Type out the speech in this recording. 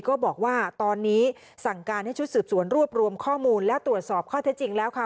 ก็บอกว่าตอนนี้สั่งการให้ชุดสืบสวนรวบรวมข้อมูลและตรวจสอบข้อเท็จจริงแล้วค่ะ